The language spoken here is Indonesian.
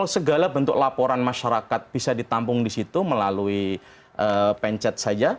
segala bentuk laporan masyarakat bisa ditampung di situ melalui pencet saja